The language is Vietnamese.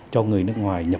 cho người nước ngoài